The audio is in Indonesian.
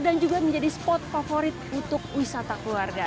dan juga menjadi spot favorit untuk wisata keluarga